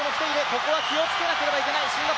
ここは気をつけなければいけない。